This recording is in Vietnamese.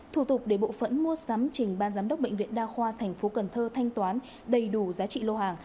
thủ tục để bộ phẫn mua sắm trình ban giám đốc bệnh viện đa khoa tp cần thơ thanh toán đầy đủ giá trị lô hàng